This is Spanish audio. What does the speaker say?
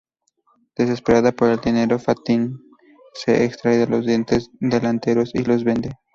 Desesperada por el dinero, Fantine se extrae los dos dientes delanteros y los vende.